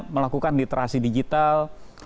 melakukan literasi digital